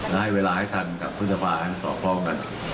ได้เวลาให้ทันกับพฤษภาคมต่อพร่องกัน